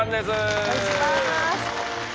お願いします。